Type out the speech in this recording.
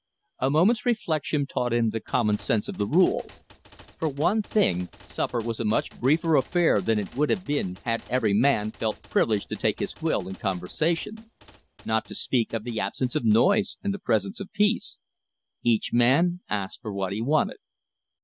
A moment's reflection taught him the common sense of the rule. For one thing, supper was a much briefer affair than it would have been had every man felt privileged to take his will in conversation; not to speak of the absence of noise and the presence of peace. Each man asked for what he wanted.